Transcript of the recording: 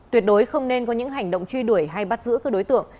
tuyệt đối không nên có những hành động truy đuổi hay bắt giữ các đối tượng